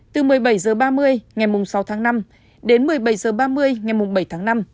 từ một mươi bảy h ba mươi ngày sáu tháng năm đến một mươi bảy h ba mươi ngày bảy tháng năm